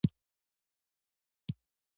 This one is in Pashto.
چمن